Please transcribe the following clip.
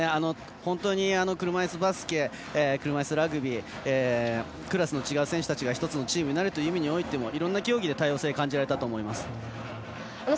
本当に車いすバスケ車いすラグビークラスの違う選手たちが１つのチームになるという意味においてもいろんな競技で多様性感じられたと思います。